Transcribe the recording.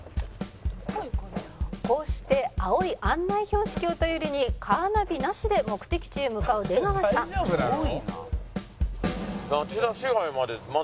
「こうして青い案内標識を頼りにカーナビなしで目的地へ向かう出川さん」